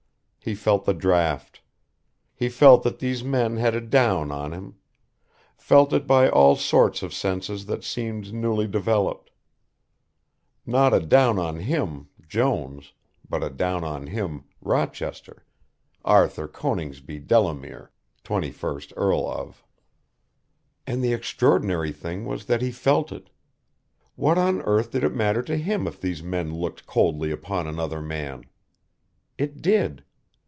He felt the draught. He felt that these men had a down on him; felt it by all sorts of senses that seemed newly developed. Not a down on him, Jones, but a down on him, Rochester, Arthur Coningsby Delamere, 21st Earl of. And the extraordinary thing was that he felt it. What on earth did it matter to him if these men looked coldly upon another man? It did.